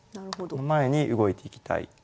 その前に動いていきたい。